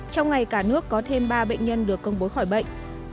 trong ngày cả nước có thêm ba bệnh nhân được công bố khỏi bệnh